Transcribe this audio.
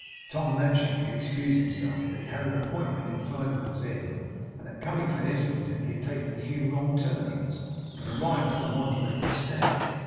Tom mentioned, to excuse himself, that he had an appointment in Furnival's Inn, and that coming from Islington he had taken a few wrong turnings, and arrived at the Monument instead.